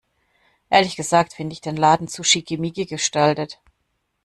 Ehrlich gesagt finde ich den Laden zu schickimicki gestaltet.